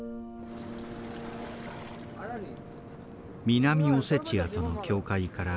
南オセチアとの境界から７ｋｍ。